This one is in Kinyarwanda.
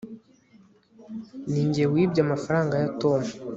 ninjye wibye amafaranga ya tom